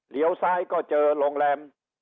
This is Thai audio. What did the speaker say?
เหลียวซ้ายก็เจอโรงแรม